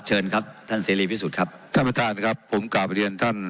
เชิญครับท่านเสรีพิสุทธิ์ครับท่านประธานครับผมกลับไปเรียนท่าน